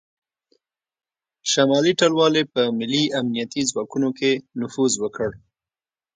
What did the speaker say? شمالي ټلوالې په ملي امنیتي ځواکونو کې نفوذ وکړ